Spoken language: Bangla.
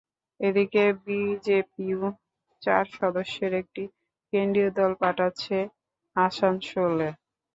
এদিকে বিজেপিও চার সদস্যের একটি কেন্দ্রীয় দল পাঠাচ্ছে আসানসোলে।